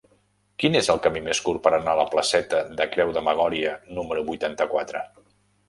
Quin és el camí més curt per anar a la placeta de Creu de Magòria número vuitanta-quatre?